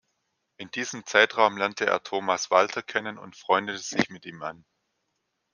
In diesem Zeitraum lernte er Thomas Walter kennen und freundete sich mit ihm an.